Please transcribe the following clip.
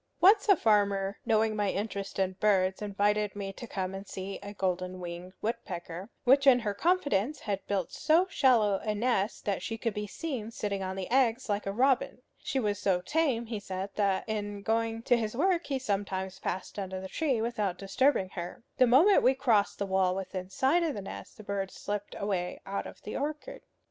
Once a farmer, knowing my interest in birds, invited me to come and see a golden winged woodpecker, which in her confidence had built so shallow a nest that she could be seen sitting on the eggs like a robin. She was so tame, he said, that in going to his work he sometimes passed under the tree without disturbing her. The moment we crossed the wall within sight of the nest, the bird slipped away out of the orchard.